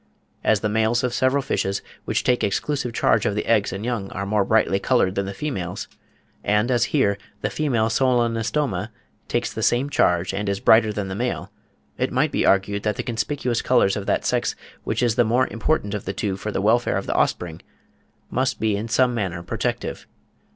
As the males of several fishes, which take exclusive charge of the eggs and young, are more brightly coloured than the females, and as here the female Solenostoma takes the same charge and is brighter than the male, it might be argued that the conspicuous colours of that sex which is the more important of the two for the welfare of the offspring, must be in some manner protective.